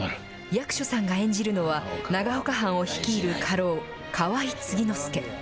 役所さんが演じるのは、長岡藩を率いる家老、河井継之助。